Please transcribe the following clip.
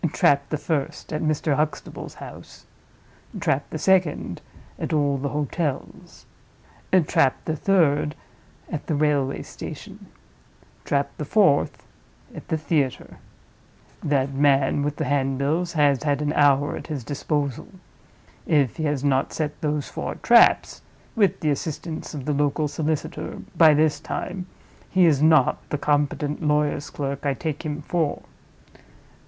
Trap the first, at Mr. Huxtable's house; trap the second, at all the hotels; trap the third, at the railway station; trap the fourth, at the theater. That man with the handbills has had an hour at his disposal. If he has not set those four traps (with the assistance of the local solicitor) by this time, he is not the competent lawyer's clerk I take him for.